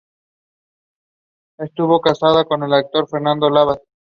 Presidió en forma interina la República Riograndense durante la Guerra de los Farrapos.